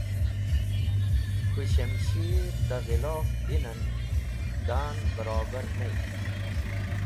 K̃hũ shamshir da ghilof dinen, da’n barobar ney.